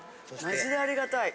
マジでありがたい。